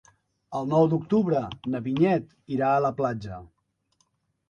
El nou d'octubre na Vinyet irà a la platja.